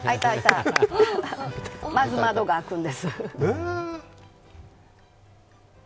まず窓が開くんです。